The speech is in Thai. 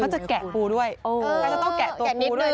จะแกะปูด้วยก็จะต้องแกะตัวปูด้วย